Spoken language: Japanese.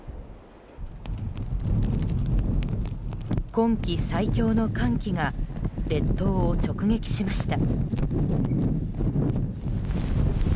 今季最強の寒気が列島を直撃しました。